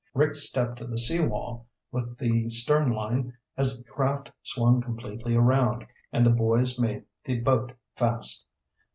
Rick stepped to the seawall with the stern line as the craft swung completely around, and the boys made the boat fast.